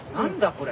これ。